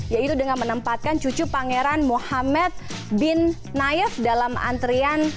yaitu dengan menempatkan cucu pangeran muhammad bin naif dalam antrian